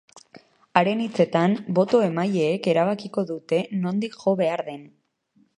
Haren hitzetan, boto-emaileek erabakiko dute nondik jo behar den.